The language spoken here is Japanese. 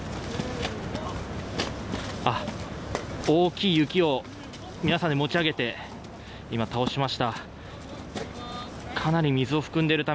大きい雪を皆さんで持ち上げて今、倒しました。